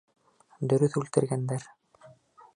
Дөрөҫ үлтергәндәр!